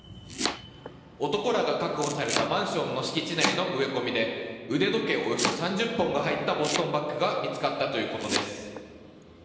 男らが確保されたマンションの敷地内の植え込みで腕時計およそ３０本が入ったボストンバッグが見つかったということです。